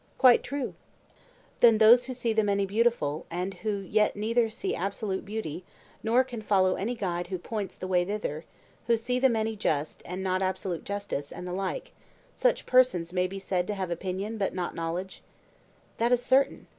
Quite true. Then those who see the many beautiful, and who yet neither see absolute beauty, nor can follow any guide who points the way thither; who see the many just, and not absolute justice, and the like,—such persons may be said to have opinion but not knowledge? That is certain.